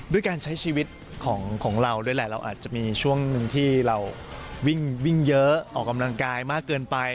ด้วยการใช้ชีวิตของเราด้วยแหละเราอาจจะมีช่วงหนึ่งที่เราวิ่งเยอะออกกำลังกายมากเกินไป